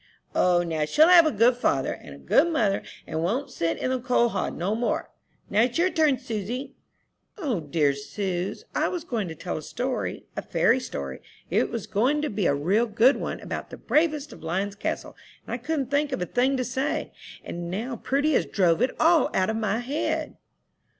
"O, now she'll have a good father and a good mother, and won't sit in the coal hod no more. Now it's your turn, Susy." "O dear suz! I was going to tell a story, a fairy story. It was going to be a real good one, about 'The Bravest of Lion's Castle,' and I couldn't think of a thing to say, and now Prudy has drove it all out of my head."